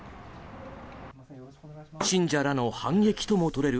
信者らの反撃とも取れる